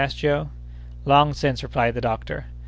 asked Joe. "Long since," replied the doctor.